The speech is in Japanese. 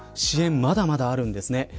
まだまだあるんですね。